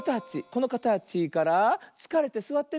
このかたちからつかれてすわってみよう。